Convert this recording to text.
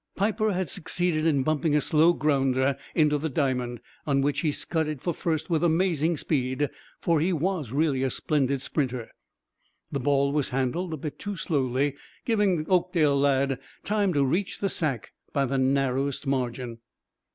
Piper had succeeded in bumping a slow grounder into the diamond, on which he scudded for first with amazing speed, for he was really a splendid sprinter. The ball was handled a bit too slowly, giving the Oakdale lad time to reach the sack by the narrowest margin.